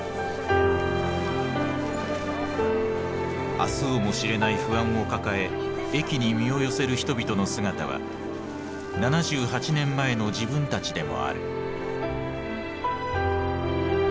明日をも知れない不安を抱え駅に身を寄せる人々の姿は７８年前の自分たちでもある。